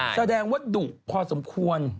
แสดงว่าดุพอสมควร